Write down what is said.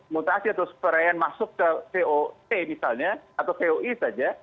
mutasi atau varian masuk ke voc misalnya atau voi saja